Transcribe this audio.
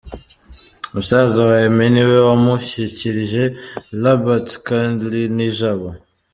Musaza wa Aimée niwe wamushyikirije Lambert Kalinijabo.